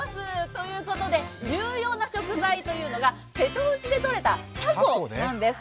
ということで、重要な食材というのが瀬戸内でとれたたこなんです。